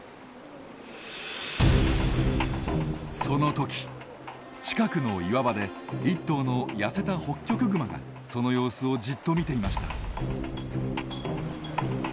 その時近くの岩場で１頭の痩せたホッキョクグマがその様子をじっと見ていました。